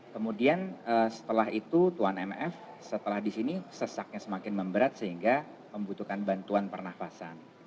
kemudian setelah itu tuan mf setelah di sini sesaknya semakin memberat sehingga membutuhkan bantuan pernafasan